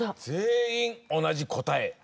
全員同じ答え。